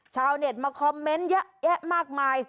ชาวเน็ตมาคอมเมนต์เยอะแยะมากมาย